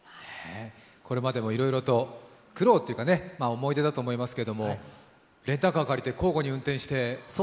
これまでもいろいろと苦労というか、思い出だと思いますがレンタカー借りて、交互に運転して？